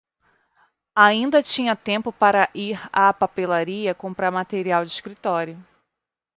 Ainda tinha tempo para ir à papelaria comprar material de escritório.